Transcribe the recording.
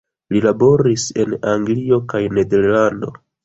Li laboris en Anglio kaj Nederlando.